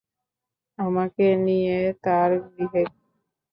আমাকে নিয়ে তার গৃহে গেলেন।